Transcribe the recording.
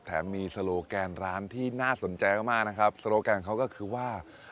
แถมมีสโลแกนร้านที่น่าสนใจก็มากนะครับสโลแกนของเขาก็คือว่า